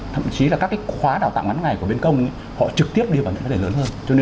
thậm chí là các cái khóa đào tạo ngắn ngày của bên công họ trực tiếp đi vào nơi lớn hơn